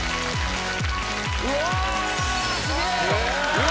うわ！